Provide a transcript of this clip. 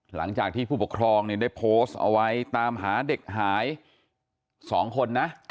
หลังจากที่ผู้ปกครองได้โพสต์เอาไว้ตามหาเด็กหาย๒คนนะ